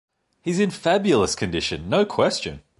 He's in fabulous condition, no question.